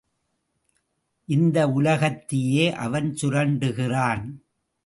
இந்த உலகத்தையே அவன் சுரண்டுகிறான்.